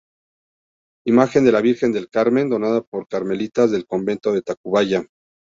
Imagen de la Virgen del Carmen, donada por las Carmelitas del convento de Tacubaya.